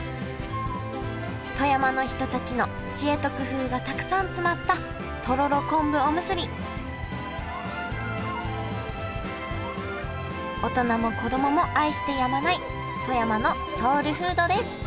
富山の人たちの知恵と工夫がたくさん詰まったとろろ昆布おむすび大人も子供も愛してやまない富山のソウルフードです